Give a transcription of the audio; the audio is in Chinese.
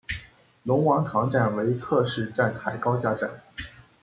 龙王塘站为侧式站台高架站。